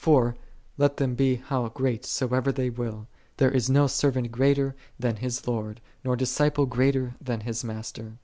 For, let them be how great soever they will, "there is no servant greater than his Lord, nor disciple greater than his master."